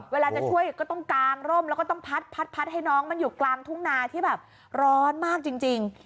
เวลาจะช่วยก็ต้องกางร่มแล้วก็ต้องพัดให้น้องมันอยู่กลางทุ่งนาที่แบบร้อนมากจริง